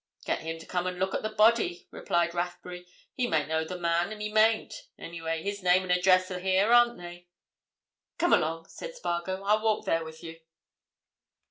"Get him to come and look at the body," replied Rathbury. "He may know the man and he mayn't. Anyway, his name and address are here, aren't they?" "Come along," said Spargo. "I'll walk there with you."